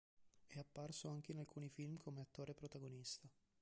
È apparso anche in alcuni film come attore protagonista.